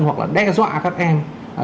hoặc là đe dọa các em